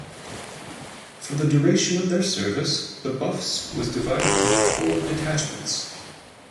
For the duration of their service, The Buffs was divided into four detachments.